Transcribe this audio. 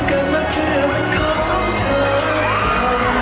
แต่สันติวะไม่เคยไว้มัน